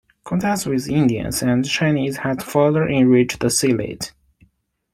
Contacts with Indians and Chinese has further enriched silat.